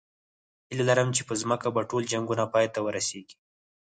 هیله لرم چې په ځمکه به ټول جنګونه پای ته ورسېږي